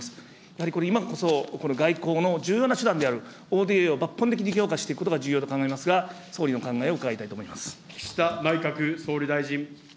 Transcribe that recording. やはりこれ、今こそ外交の重要な手段であるＯＤＡを抜本的に強化していくことが重要と考えますが、総理のお考えを伺いたいと思います。